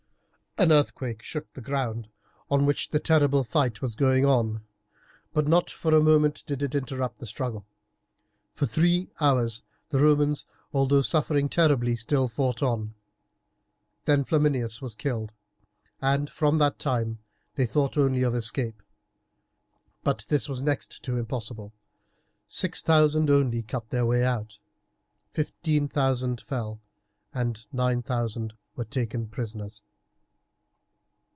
An earthquake shook the ground on which the terrible fight was going on; but not for a moment did it interrupt the struggle. For three hours the Romans, although suffering terribly, still fought on; then Flaminius was killed, and from that time they thought only of escape. But this was next to impossible. Six thousand only cut their way out. Fifteen thousand fell, and nine thousand were taken prisoners.